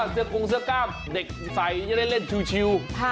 เสื้อกงเสื้อกล้ามเด็กใส่จะได้เล่นชิว